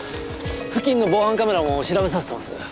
付近の防犯カメラも調べさせてます。